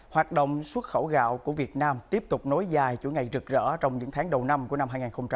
hoạt động xuất khẩu gạo của việt nam tiếp tục nối dài chỗ ngày rực rỡ trong những tháng đầu năm của năm hai nghìn hai mươi bốn